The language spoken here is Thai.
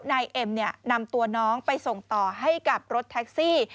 นายเอ็มนำตัวน้องไปส่งต่อให้กับรถแท็กซี่